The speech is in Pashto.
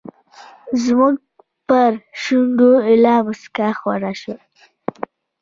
زموږ پر شونډو ایله موسکا خپره شوه.